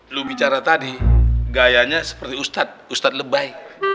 lu bicara tadi gayanya seperti ustadz ustadz lebay